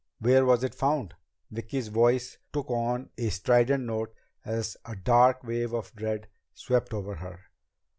"Where was it found?" Vicki's voice took on a strident note as a dark wave of dread swept over her.